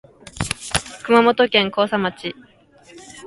熊本県甲佐町